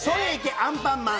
アンパンマン